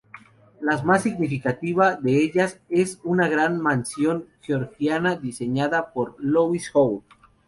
La más significativa de ellas es una gran mansión georgiana diseñada por Lois Howe.